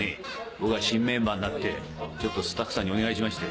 僕が新メンバーになってちょっとスタッフさんにお願いしまして。